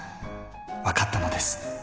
分かったのです。